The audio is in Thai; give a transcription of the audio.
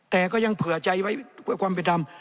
แต่ก็ยังเผื่อใจไว้ความเป็นดำ